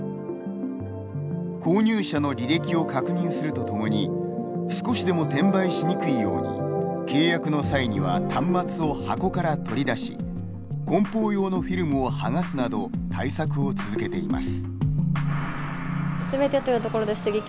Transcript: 購入者の履歴を確認するとともに少しでも転売しにくいように契約の際には端末を箱から取り出し梱包用のフィルムをはがすなど対策を続けています。